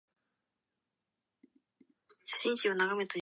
学校でたくさん友達ができました。